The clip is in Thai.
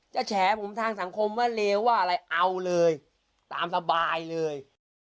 แฉผมทางสังคมว่าเลวว่าอะไรเอาเลยตามสบายเลย